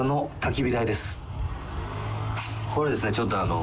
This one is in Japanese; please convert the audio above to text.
これですねちょっとあの。